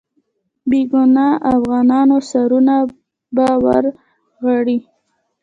بې ګناه افغانانو سرونه به ورغړي.